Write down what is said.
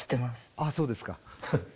ああそうですか。